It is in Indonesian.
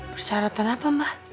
persyaratan apa mba